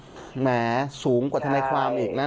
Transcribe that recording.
เพราะว่ามีทีมนี้ก็ตีความกันไปเยอะเลยนะครับ